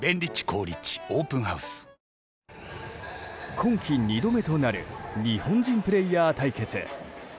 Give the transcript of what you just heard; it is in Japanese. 今季２度目となる日本人プレーヤー対決。